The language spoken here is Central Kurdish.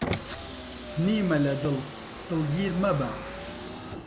نیمە لە دڵ، دڵگیر مەبە